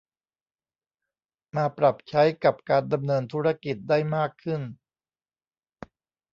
มาปรับใช้กับการดำเนินธุรกิจได้มากขึ้น